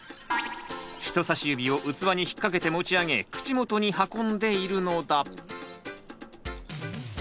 人さし指を器に引っ掛けて持ち上げ口元に運んでいるのだ。